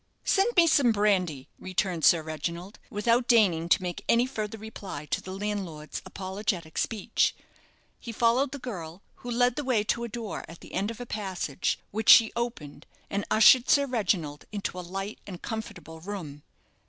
"Send me some brandy," returned Sir Reginald, without deigning to make any further reply to the landlord's apologetic speech. He followed the girl, who led the way to a door at the end of a passage, which she opened, and ushered Sir Reginald into a light and comfortable room.